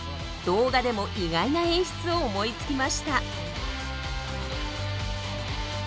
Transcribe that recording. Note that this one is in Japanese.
動画でも意外な演出を思いつきました。